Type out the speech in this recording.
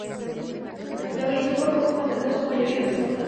La coalición, por poco, mantendrá su mayoría absoluta.